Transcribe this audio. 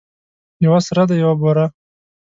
یوه سره ده یوه بوره.